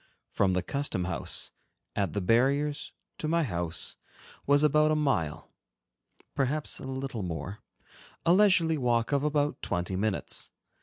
From the custom house, at the barriers, to my house, was about a mile, perhaps a little more—a leisurely walk of about twenty minutes.